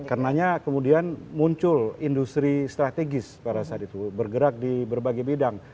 karena kemudian muncul industri strategis pada saat itu bergerak di berbagai bidang